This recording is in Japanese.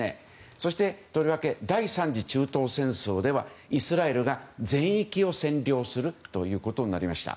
そしてとりわけ第３次中東戦争ではイスラエルが全域を占領することになりました。